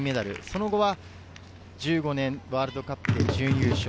その後は１５年のワールドカップで準優勝。